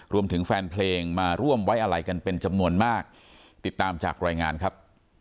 รวมถึงแฟนเพลงมาร่วมไว้อะไรกันเป็นจำนวนมากติดตามจากรายงานครับ